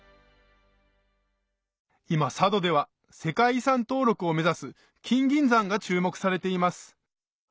今佐渡では世界遺産登録を目指す金銀山が注目されています